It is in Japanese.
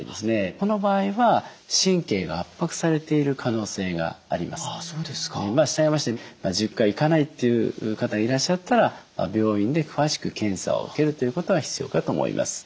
この場合は従いまして１０回いかないっていう方いらっしゃったら病院で詳しく検査を受けるということが必要かと思います。